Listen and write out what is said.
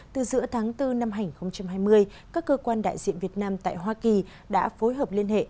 từ giữa tháng bốn năm hai nghìn hai mươi các cơ quan đại diện việt nam tại hoa kỳ đã phối hợp liên hệ